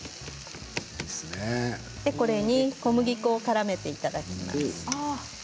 ここに小麦粉をからめていきます。